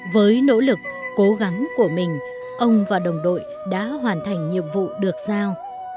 với nỗ lực cố gắng của mình ông và đồng đội đã hoàn thành nhiệm vụ được giao